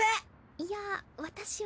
いや私は。